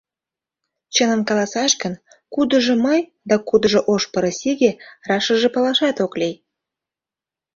Чыным каласаш гын, кудыжо «мый» да кудыжо «ош пырысиге» — рашыже палашат ок лий.